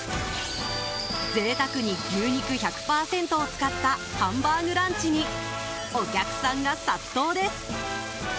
贅沢に牛肉１００％を使ったハンバーグランチにお客さんが殺到です！